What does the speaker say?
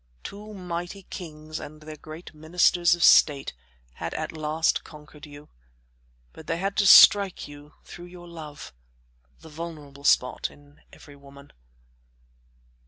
Two mighty kings and their great ministers of state had at last conquered you, but they had to strike you through your love the vulnerable spot in every woman.